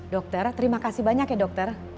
dokter terima kasih banyak ya dokter